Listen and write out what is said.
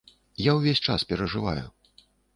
Я ўвесь час перажываю.